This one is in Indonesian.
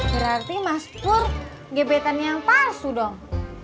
berarti mas pur gebetan yang palsu dong